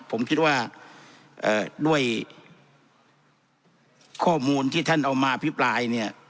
ผมคิดว่าด้วยข้อมูลที่ท่านเอามาอภิปรายเนี่ย